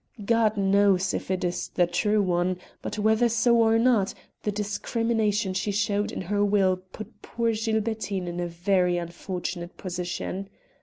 God knows if it is the true one, but whether so or not, the discrimination she showed in her will put poor Gilbertine in a very unfortunate position.